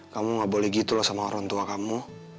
kamu gak boleh gitu loh sama orang tua kamu